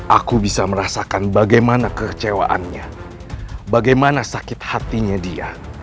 aku bisa merasakan bagaimana kekecewaannya bagaimana sakit hatinya dia